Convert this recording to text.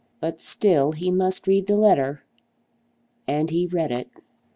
But still he must read the letter; and he read it.